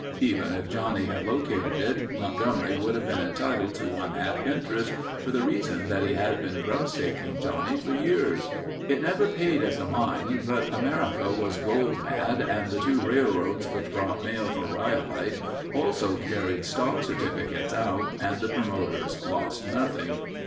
Even if Johnnie had located it Montgomery would have been entitled to one half interest for the reason that he had been grubstaking Johnnie for years. It never paid as a mine, but America was gold mad and the two railroads which brought mail for Rhyolite also carried stock certificates out and the promoters lost nothing.